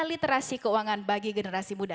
literasi keuangan bagi generasi muda